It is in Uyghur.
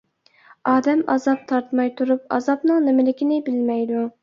ئادەم ئازاب تارتماي تۇرۇپ ئازابنىڭ نېمىلىكىنى بىلمەيدۇ.